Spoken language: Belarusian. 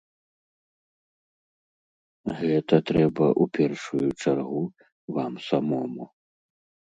Гэта трэба, у першую чаргу, вам самому.